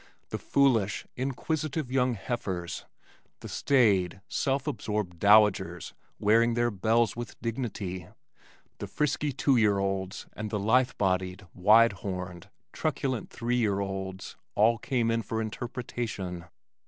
The foolish, inquisitive young heifers, the staid self absorbed dowagers wearing their bells with dignity, the frisky two year olds and the lithe bodied wide horned, truculent three year olds all came in for interpretation.